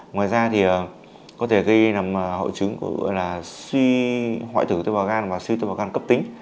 ngoài ra thì có thể gây làm hội chứng suy hỏi thử tế bào gan và suy tế bào gan cấp tính